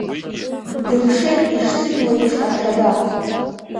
Дықшеит ишҵыгьуеиԥш аҽада.